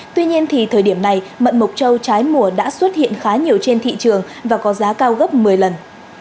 tuy nhiên thì thời điểm này mận mộc châu trái mùa đã xuất hiện khá nhiều trên thị trường và có giá cao gấp một mươi lần